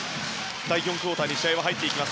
第４クオーターに試合は入っていきます。